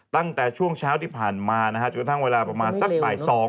ตั้งแต่ช่วงเช้าที่ผ่านมานะฮะจนกระทั่งเวลาประมาณสักบ่าย๒